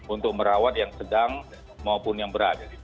untuk merawat yang sedang maupun yang berat